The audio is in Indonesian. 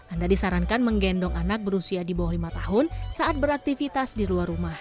anda disarankan menggendong anak berusia di bawah lima tahun saat beraktivitas di luar rumah